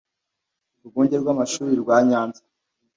urwunge rw amashuri rwa nyanza